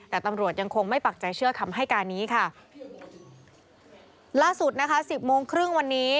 แต่ตำรวจยังคงไม่ปักใจเชื่อคำให้การนี้ค่ะล่าสุดนะคะสิบโมงครึ่งวันนี้